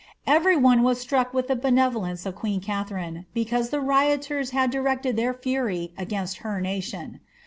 Every one was struck with the benevolence of queen Katharine, becanae the rioters had directed their fury against her nation.